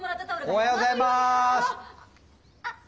おはようございます！